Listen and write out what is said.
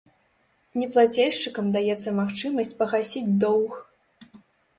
Неплацельшчыкам даецца магчымасць пагасіць доўг.